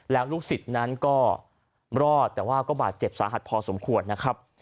แล้วลูกศิษย์นั้นก็รอดแต่ว่าก็บาดเจ็บสาหัสพอสมควรนะครับ